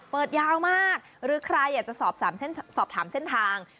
เปิดยาวมากหรือใครอยากจะสอบถามเส้นทาง